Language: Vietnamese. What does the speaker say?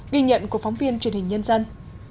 ghi nhận của phóng viên truyền hình nhân dân